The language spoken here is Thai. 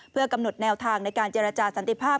เพื่อกำหนดแนวทางในการเจรจาสันติภาพ